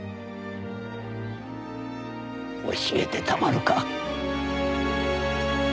教えてたまるか。